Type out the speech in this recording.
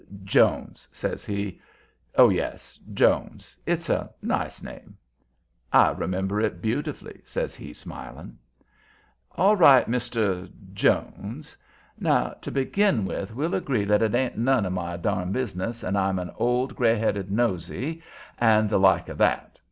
"Jones," says he. "Oh, yes Jones. It's a nice name." "I remember it beautifully," says he, smiling. "All right, Mr. Jones. Now, to begin with, we'll agree that it ain't none of my darn business, and I'm an old gray headed nosey, and the like of that.